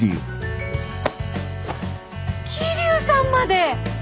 桐生さんまで！